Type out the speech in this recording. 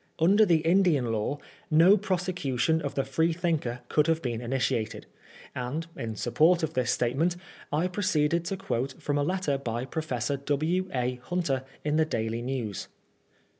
Under the Indian law, no prosecution of the Freethinker could have been initiated ; and, in sup port of this statement, I proceeded to quote from a letter by Professor W. A. Hunter, in the Daily News.